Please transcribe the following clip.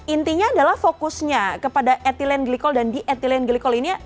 intinya adalah fokusnya kepada ethylene glycol dan di ethylene glycol ini